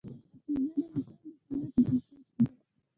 حافظه د انسان د هویت بنسټ ده.